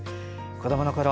子どものころ